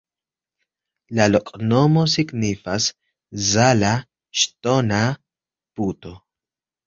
La loknomo signifas: Zala-ŝtona-puto.